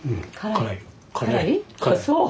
辛い？